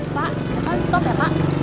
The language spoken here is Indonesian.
pak stop ya pak